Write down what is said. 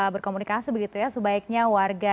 berkomunikasi begitu ya sebaiknya warga